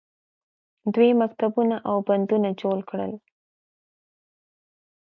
دوی مکتبونه او بندونه جوړ کړل.